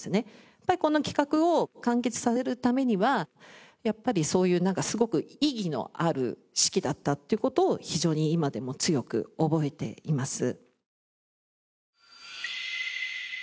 やっぱりこの企画を完結させるためにはやっぱりそういうすごく意義のある指揮だったという事を非常に今でも強く覚えています。